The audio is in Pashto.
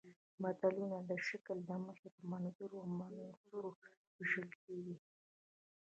متلونه د شکل له مخې په منظوم او منثور ویشل کېږي